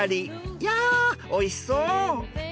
いやおいしそう！